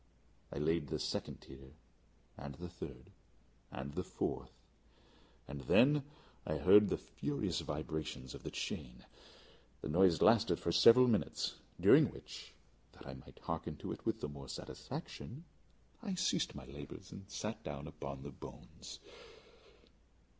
I laid the second tier, and the third, and the fourth; and then I heard the furious vibrations of the chain. The noise lasted for several minutes, during which, that I might hearken to it with the more satisfaction, I ceased my labours and sat down upon the bones.